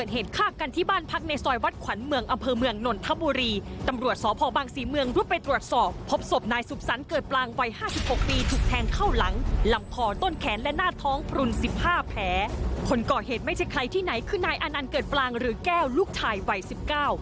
คนก่อเหตุไม่ใช่ใครที่ไหนคือนายอานันต์เกิดปลางหรือแก้วลูกชายวัยสิบเก้า